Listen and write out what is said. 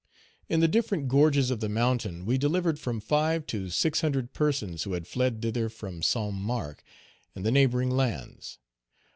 In the different gorges of the mountain, we delivered from five to six hundred persons who had fled thither from Saint Marc and the neighboring lands.